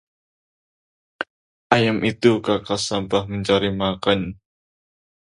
ayam itu kakas sampah mencari makan